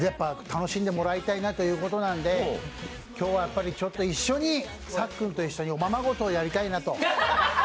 楽しんでもらいたいなということなんで今日はさっくんと一緒におままごとをやりたいなと。